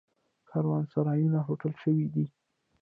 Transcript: کاروانسرایونه هوټل شوي دي.